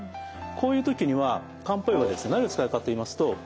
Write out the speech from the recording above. こういう時には漢方医は何を使うかといいますと。